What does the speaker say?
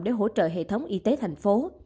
để hỗ trợ hệ thống y tế thành phố